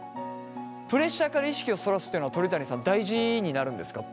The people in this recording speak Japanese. プレッシャーから意識をそらすっていうのは鳥谷さん大事になるんですか？